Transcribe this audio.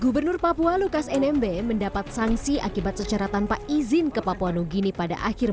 gubernur papua lukas nmb mendapat sanksi akibat secara tanpa izin ke papua nugini pada akhir